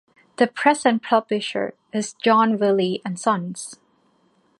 The present publisher is John Wiley and Sons.